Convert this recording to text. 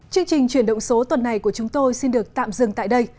chương trình chuyển động số tuần này của chúng tôi xin được tạm dừng tại đây